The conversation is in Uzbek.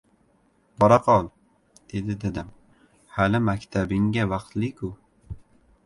— Bora qol, — dedi dadam. — Hali maktabingga vaqtli-ku.